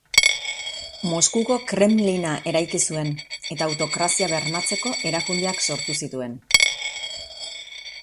Moskuko Kremlina eraiki zuen, eta autokrazia bermatzeko erakundeak sortu zituen.